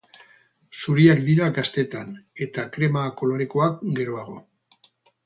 Zuriak dira gaztetan, eta krema kolorekoak geroago.